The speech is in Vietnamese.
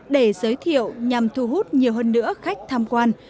để giới thiệu nhằm thu hút nhiều hơn nữa khách tham quan